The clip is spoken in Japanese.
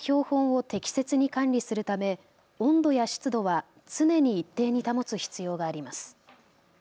貴重な標本を適切に管理するため温度や湿度は常に一定に保つ必要があります。